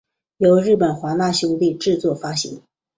由日本华纳兄弟制作发行。